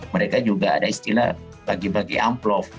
mereka juga ada istilah bagi bagi amplop